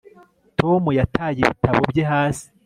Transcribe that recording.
Tom yataye ibitabo bye hasi